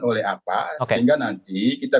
oleh apa sehingga nanti kita